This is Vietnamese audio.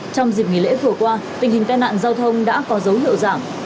trong dịp nghỉ lễ vừa qua tình hình tai nạn giao thông đã có dấu hiệu giảm